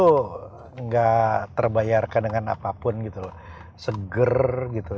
itu nggak terbayarkan dengan apapun gitu loh seger gitu